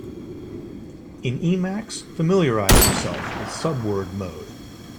In Emacs, familiarize yourself with subword mode.